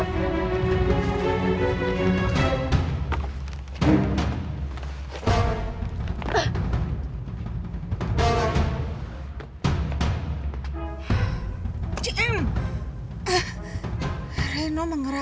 inp naikin naiknya s presume nanti